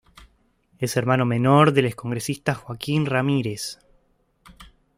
Es hermano menor del excongresista Joaquín Ramírez.